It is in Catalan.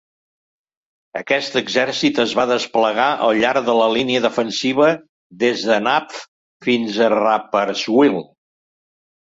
Aquest exèrcit es va desplegar al llarg de la línia defensiva des de Napf fins a Rapperswil.